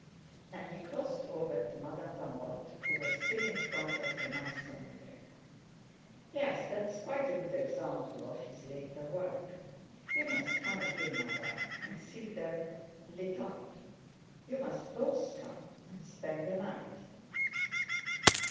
And he crossed over to Madame Lamotte, who was still in front of the Meissonier. "Yes, that's quite a good example of his later work. You must come again, Madame, and see them lighted up. You must both come and spend a night."